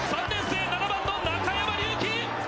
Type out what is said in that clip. ３年生、７番の中山琉稀！